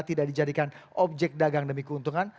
tidak dijadikan objek dagang demi keuntungan